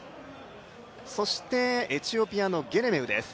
そしてエチオピアのゲレメウです。